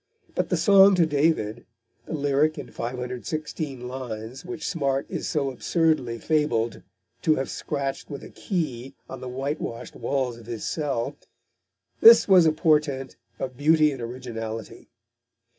But the Song to David the lyric in 516 lines which Smart is so absurdly fabled to have scratched with a key on the white washed walls of his cell this was a portent of beauty and originality.